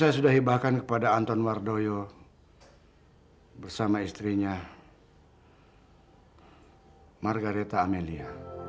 saya sedang menyapakan kepada anton wardoyo bersama istrinya margaretha amelia